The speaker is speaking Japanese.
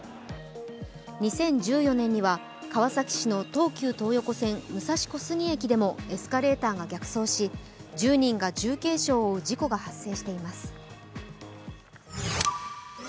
２０１４年には川崎市の東急東横線、武蔵小杉駅でもエスカレーターが逆走し１０人が重軽傷を負う事故が発生しています。